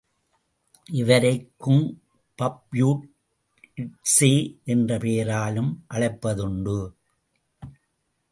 இவரை குங் பப்யூ ட்ஸெ என்ற பெயராலும் அழைப்பது உண்டு.